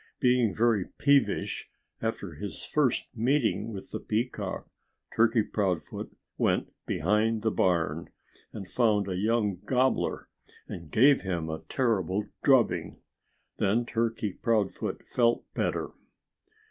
Being very peevish, after his first meeting with the peacock, Turkey Proudfoot went behind the barn and found a young gobbler and gave him a terrible drubbing. Then Turkey Proudfoot felt better.